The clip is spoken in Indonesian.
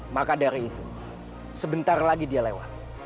maka dari itu sebentar lagi dia lewat